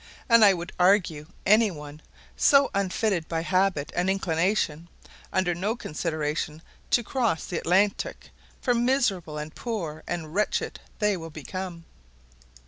And I would urge any one, so unfitted by habit and inclination, under no consideration to cross the Atlantic; for miserable, and poor, and wretched they will become.